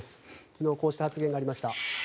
昨日こうした発言がありました。